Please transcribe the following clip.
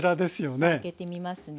さあ開けてみますね。